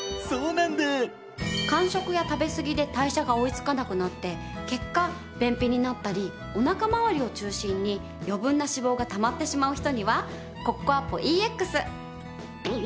間食や食べすぎで代謝が追いつかなくなって結果便秘になったりお腹まわりを中心に余分な脂肪がたまってしまう人にはコッコアポＥＸ。